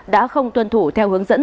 đã không tuân thủ theo hướng dẫn